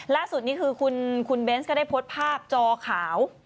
ล่าสุดนี้คือคุณเบนส์ก็ได้โพสต์ภาพจอขาว